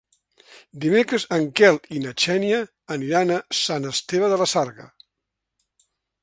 Dimecres en Quel i na Xènia aniran a Sant Esteve de la Sarga.